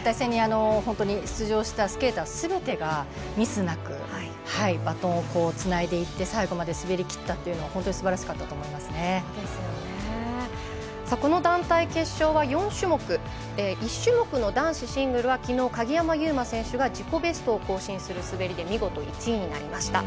出場したスケーターすべてがミスなくバトンをつないでいって最後まで滑りきったのは本当にすばらしかったこの団体決勝は４種目１種目の男子シングルがきのう鍵山優真選手が自己ベストを更新する滑りで見事１位になりました。